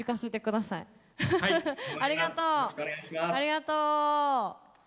ありがとう。